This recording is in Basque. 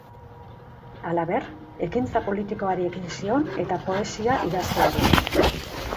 Halaber, ekintza politikoari ekin zion eta poesia idazteari.